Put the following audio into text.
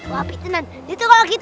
loh api tenan itu kalau gitu